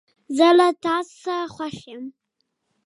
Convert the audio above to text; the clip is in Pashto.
زه له تاسو سره خوښ یم.